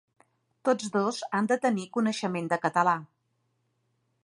Tots dos han de tenir coneixement de català.